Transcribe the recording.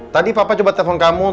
tadi papa coba telepon kamu